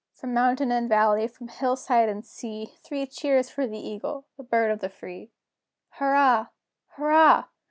From mountain and valley, from hill side and sea, Three cheers for the Eagle, the Bird of the Free! Hurrah! Hurrah!